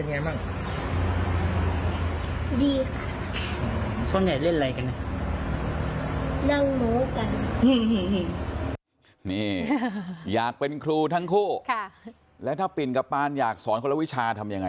นี่อยากเป็นครูทั้งคู่แล้วถ้าปิ่นกับปานอยากสอนคนละวิชาทำยังไง